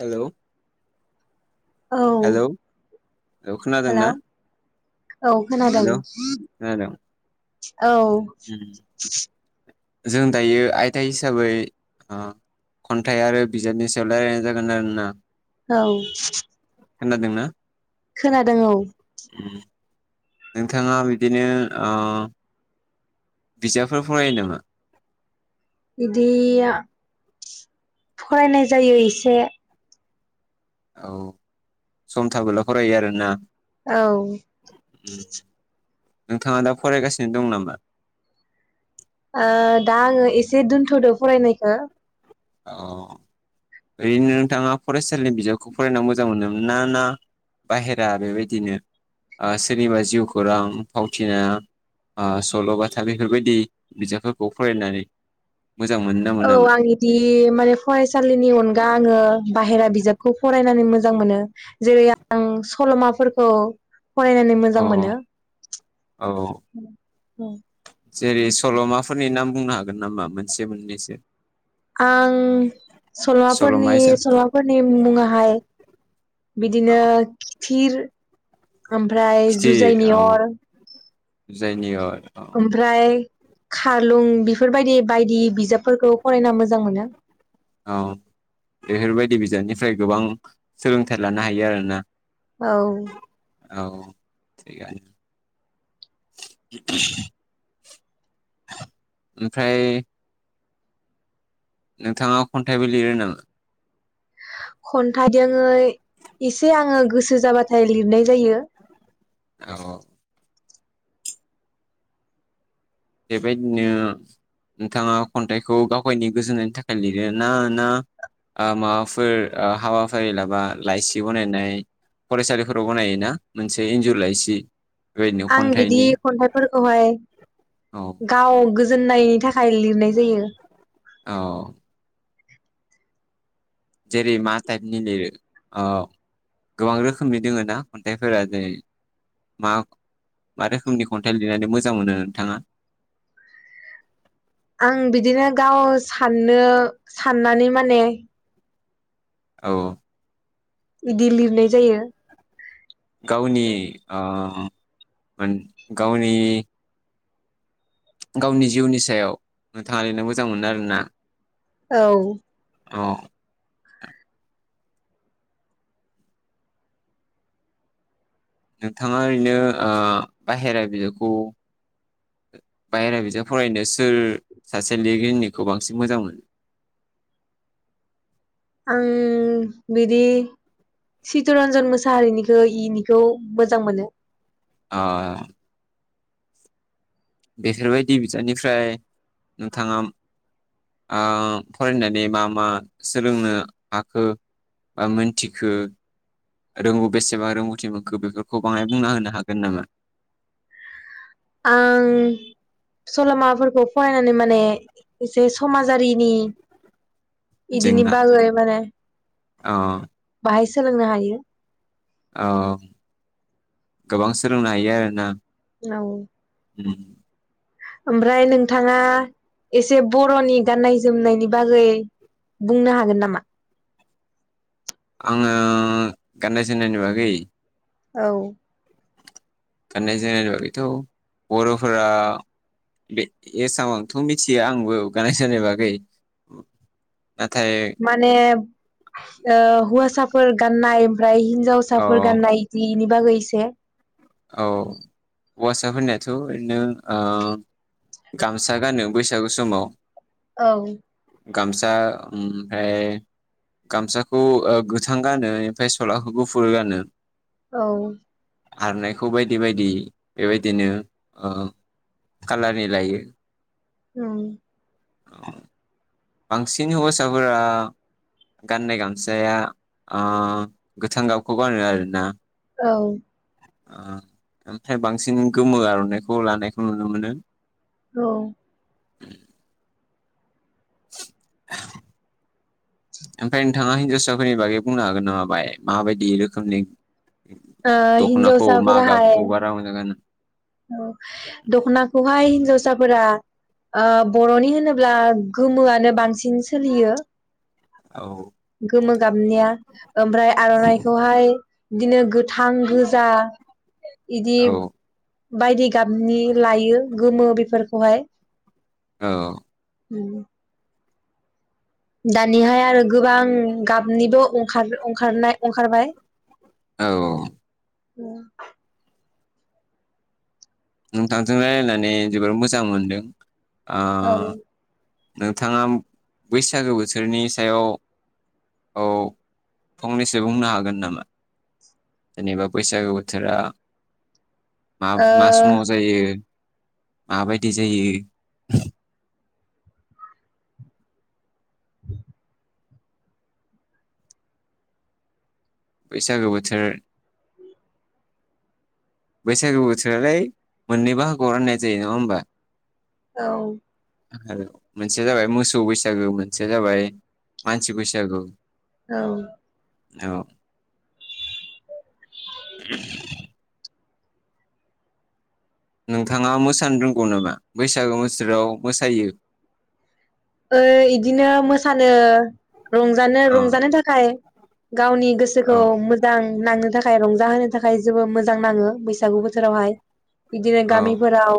Hello औ hello औ खोनादोंना हेलौ औ खोनादों हेलौ । खोनादों औ उम। । जों दायो आयदा हिसाबै खन्थाइ आरो बिजाबनि सायाव रायलायनाय जागोन आरोना। औ। खोनादोंंना? खोनादों औ नोंथांङा बिदिनो ओ बिजाबफोर फरायो नामा? इदिया फरायनाय जायो इसे। औ सम थाबोला फरायो आरोना। औ। उम। नोंथाङा दा फरायगासिनो दं नामा? ओ दा आङो एसे दोन्थ'दो फरायनायखो। अ ओरैनो नोंथाङा फरायसालिनि बिजाबखौ फरायनानै मोजां मोनोम ना ना बाहेरा बेबायदिनो ओ सोरनिबा जिउखौरां फावथिना ओ सल'बाथा बेफोरबायदि बिजाबफोरखौ फरायनानै मोजां मोनो ना औ मोनामोन? आं बिदि माने फरायसालिनि अनगा आङो बाहेरा बिजाबखौ फरायनानै मोजां मोनो जेरै आं सलमाफोरखौ फरायनानै अ मोजां मोनो। औ जेरै सल'माफोरनि नाम बुंनो हागोन नामा मोनसे मोननैसो? आं सल'मा सल'माफोरनि हिसाब सल'माफोरनि मुङाहाय औ बिदिनो थिर ओमफ्राय जुजाइनि अर जुजायनि अर। ओमफ्राय खारलुं बिफोरबायदि बायदि बिजाबफोरखौ फरायना मोजां मोनो। अह बेफोरबायदि बिजाबनिफ्राय गोबां सोलोंथाइ लानो हायो आरोना। औ। औ थिगानो ओमफ्राय नोंथाङा खन्थाइबो लिरो नामा? खन्थाइ दोङै एसे आङो गोसो जाबाथाय लिरनाय जायो। औ। बेबायदिनो नोंथाङा खन्थाइखौ गावगायनि गोजोननायनि थाखाय लिरो ना ना माबाफोर हाबाफारि लाबा लाइसि बनायनाय फरायसालिफोराव बनायोना मोनसे इन्जुर लाइसि बेबायदिनो आं बिदि खन्थाइनि खन्थाइफोरखौहाय औ गाव गो गोजोननायनि थाखाय लिरनाय जायो। अ जेरै मा टाइपनि लिरो आ गोबां रोखोमनि दोङो ना खन्थाइफोरा जेरै मा मा रोखोमनि खन्थाइ लिरनानै मोजां मोनो नोंथाङा? आं बिदिनो गाव साननो साननानै माने औ। इदि लिरनाय जायो। गावनि आ उम मान गावनि गावनि जिउनि सायाव नोंथाङा लिरनो मोजां मोनो आरो ना? औ। औ। नोंथाङा ओरैनो ओ बाहेरा बिजाबखौ बाहेरा बिजाब फरायनो सोर सासे लिरगिरिनिखौ बांसिन मोजां मोनो? आं बिदि चितरन्जन मोसाहारिनिखौ इनिखौ मोजां मोनो। अह बेफोरबायदि बिजाबनिफ्राय नोंथाङा ओ फरायनानै मा मा सोलोंनो हाखो बा मिनथिखो? रोंगौ बेसेबां रोंगौथि मोनखो बेफोरखौ बाङाय बुंना होनो हागोन नामा? आं सल'माफोरखौ फरायनानै माने एसे समाजारिनि इदिनि जोंना बागै माने अ बाहायस सोलोंनो हायो। औ गोबां सोलोंनो हायो आरोना। औ। उम ओमफ्राय नोंथाङा एसे बर'नि गाननाय जोमनायनि बागै बुंनो हागोन नामा? आङो गाननाय-जिमनायनि बागै। औ। गाननाय-जोमनायनि बागैथ' बर'फोरा बे एसेबांथ' मिथिया आंबो गाननाय जोमनाय बागै। नाथाय माने ओ हुवासाफोर गाननाय। ओमफ्राय अ हिन्जावसाफोर गाननाय इदि निबागै इसे। औ हौवासाफोरनियाथ' ओरैनो ओ गामसा गानो बैसागु समाव औ। गामसा ओमफ्राय गामसाखौ गोथां गानो ओमफ्राय सलाखौ गफुरो गानो। औ। आरनायखौ बायदि बायदि बेबायदिनो ओ कालारनि लायो। उम बांसिन हौवासाफोरा गाननाय गामसाया ओ गोथां गाबखौ गानो आरोना। औ ओ ओमफ्राय बांसिन गोमो आर'नाइखौ लानायखौ नुनो मोनो। औ [inaudible] ओमफ्राय नोंथाङा हिनजावसाफोरनि बागै बुंनो हागोन नामा बाङाय माबायदि रोखोमनि ओ दख'नाखौ मा हिनजावसाफोराहाय गाबखौ बारा मोजां गानो दख'नाखौहाय हिनजावस साफोरा ओ बर'नि होनोब्ला गोमोआनो बांसिन सोलियो । औ गोमो गाबनिया ओमफ्राय आरनाइखौहाय बिदिनो गोथां गोजा बिदि औ बायदि गाबनि लायो गोमो बेफोरखौहाय औ। [inaudible] दानिहाय आरो गोबां गाबनिबो अंखार अंखारनाय अंखारबाय। औ औ [unintelligible] नोंथांजों रायलायनानै जोबोर मोजां मोनदों आ औ ओ नोंथाङा बैसागो बोथोरनि सायाव औ फंनैसो बुंनो हागोन नामा जेनेबा बैसागो बोथोरा मा औ मा समाव जायो माबायदि जायो बैसागो बोथोर बैसागो बोथोरालाय मोननै बाहागोआव राननाय जायो नङा होमबा? औ। आरो मोनसेया जाबाय मोसौ बैसागो मोनसेया जाबाय मानसि बैसागु। औ। औ नोंथाङा मोसानो रोंगौ नामा बैसागो बोसोराव मोसायो? ओ इदिनो मोसानो रंजानो अ रंजानो थाखाय गावनि औ गोसोखौ मोजां नांनो थाखाय रंजाहोनो थाखाय जेबो मोजां नाङो बैसागु बोथोरावहाय। बिदिनो औ गामिफोराव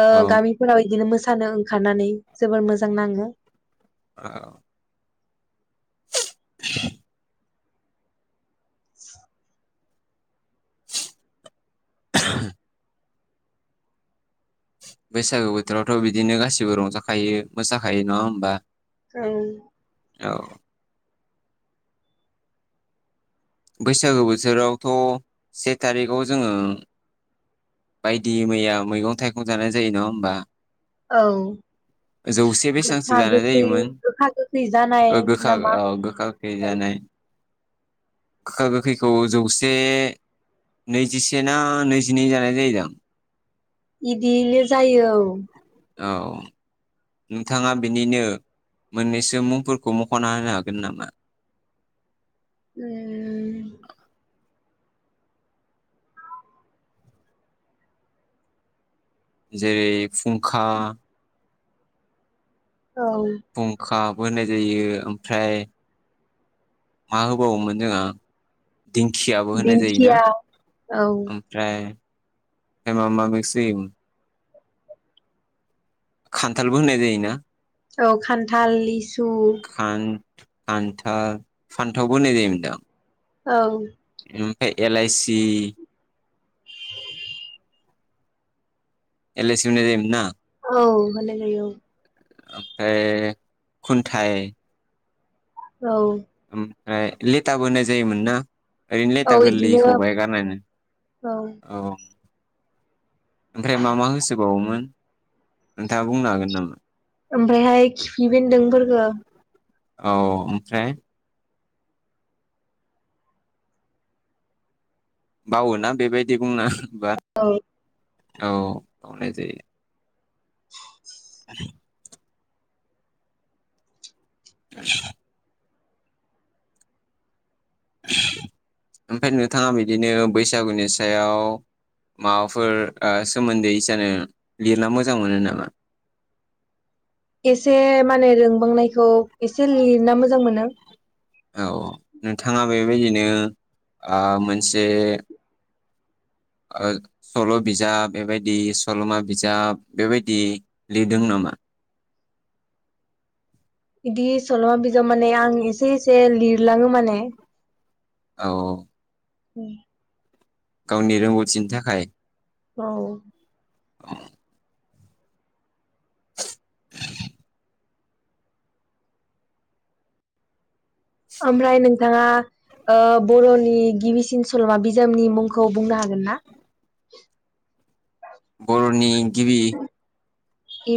ओ औ गामिफोराव इदिनो मो सानो ओंखारनानै जोबोर मोजां नाङो औ [inaudible] [inaudible] [unintelligible] बैसागु बोथोरावथ' बिदिनो गासिबो रंजाखायो मोसाखायो नङा होमबा! औ औ बैसागो बोथोरावथ' से थारिखाव जोङो बायदि मैया मैगं थाइगं जानाय जायो नङा होमबा? औ जौसे बेसांसो गोखा जानाय गोखै जायोमोन गोखा गोखै जानाय ओ गोखा नामा औ गोखा गोखै ओं, जानाय गोखा गोखैखौ जौसे नैजिसे ना नैजिनै जानाय [unintelligible] इदिले जायो औ । औ नोंथाङा बिनिनो मोननैसो मुंफोरखौ मख'ना होनो हागोन नामा? उम जेरै फुंखा औ फुंखा बो होननाय जायो ओमफ्राय मा होबावोमोन जोंहा दिंखियाबो होनाय जायोना दिंखिया औ ओमफ्राय [unintelligible] खान्थालबो होननाय जायोना? औ खान्थाल लिसु आन्था फान्थावबो होननाय जायोमोनदां औ ओमफाय एलाइसि [inaudible] एलाइसि जायोमोन ना? औ होनाय जायो औ ओमफाय खुन्थाइ । औ ओमफ्राय लेथा बो होनाय जायोमोन ना । ओरैनो लेथा औ इदिनो गोरलैखौ बाय गारनायनाय औ औ ओमफ्राय मा मा होसोबावोमोन नोंथाङा बुंनो हागोन नामा? ओमफायहाय खिफि बेन्दोंफोरखो औ ओमफ्राय बावोना बेबायदि बुंनो बा औ हनाय जायो। [inaudible] [inaudible] [inaudible] ओमफाय नोंथाङा बिदिनो बैसागुनि सायाव माबाफोर ओ सोमोन्दै इसानो लिरना मोजां मोनो नामा । एसे माने रोंबांनायखौ एसे लिरना मोजां मोनो । औ नोंथाङा बेबायदिनो आ मोनसे ओ सल' बिजाब बेबायदि सल'मा बिजाब बेबायदि लिरदों नामा? बिदि सल'मा बिजाब माने आं एसे एसे लिरलाङो माने । औ [inaudible] गावनि रोंगौथिनि थाखाय औ उम ओमफ्राय नोंथाङा ओ बरनि गिबिसिन सल'मा बिजाबनि मुंखौ बुंनो हागोन ना? बर'नि गिबि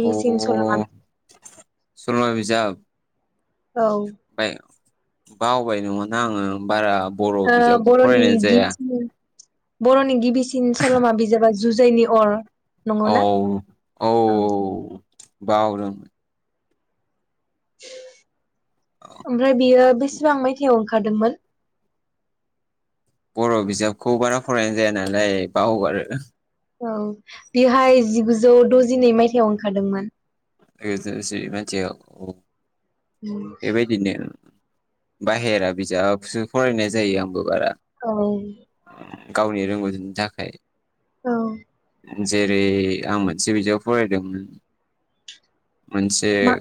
अ सल'मा सलमा बिजाब? औ। बाय बावबाय नङा ना आङो। बारा बर' ओ बिजाबखौ बर'नि फरायनाय जाया गिबिसिन बरनि गिबि सिन सल'मा बिजाबा जुजाइनि अर। नंगौना औ औ बावदों। ओमफ्राय बियो बेसेबां मायथाइयाव ओंखारदोंमोन बर' बिजाबखौ बारा फरायनाय जाया नालाय बावगारो। औ बेहाय जिगुजौ द'जिनै मायथाइयाव ओंखारदोंमोन। [unintelligible] मायथाइयाव अ। एबायदिनो बाहेरा बिजाबसो फरायनाय जायो आंबो बारा औ गावनि रोंगौथिनि थाखाय औ जेरै आं मोनसे बिजाब फरायदोंमोन। मोनसे मा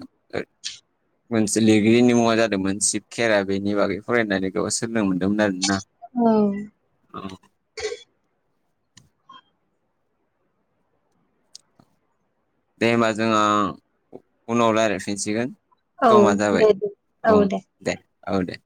मोनसे लिरगिरिनि मुङा जादोंमोन सिशिब खेरा बेनि बागै फरायनानै बेयाव सोलोंनो मोन्दोंमोन आरोना। औ औ दे होमबा जोंहा उनाव रायलायफिनसिगोन। औ दे दे औ दे। औ दे।